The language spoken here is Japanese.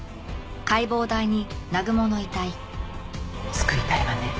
救いたいわね